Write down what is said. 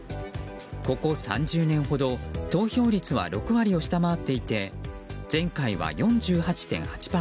ここ３０年ほど投票率は６割を下回っていて前回は４８．８％。